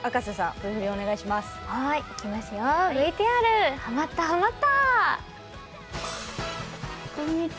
ＶＴＲハマったハマった。